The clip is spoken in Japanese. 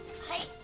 はい。